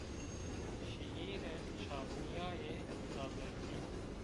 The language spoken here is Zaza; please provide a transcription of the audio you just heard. Şîîre çarnîyaye zazakî